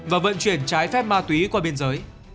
và vận chuyển trái phép ma túy qua biên giới